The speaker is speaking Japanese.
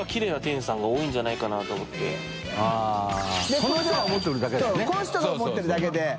この人が思ってるだけで。